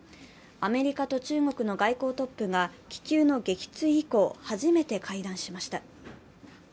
アメリカと中国の外交トップが気球の撃墜以降、初めて会談しました